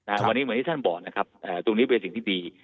วันนี้เหมือนที่ท่านบอกนะครับตรงนี้เป็นสิ่งที่ดี